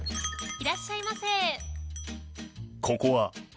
いらっしゃいませ。